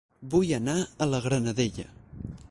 Vull anar a La Granadella